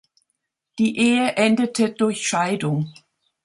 Die Ehe endete durch Scheidung.